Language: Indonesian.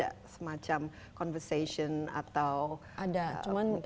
apakah ada semacam conversation atau strategi dan lain sebagainya